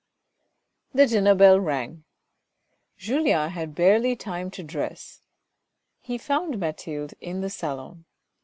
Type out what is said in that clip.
The dinner bell rang, Julien had barely time to dress : he found Mathilde in the salon.